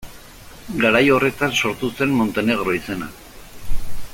Garai horretan sortu zen Montenegro izena.